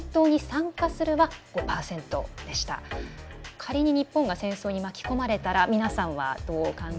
仮に日本が戦争に巻き込まれたら皆さんはどう考えますか？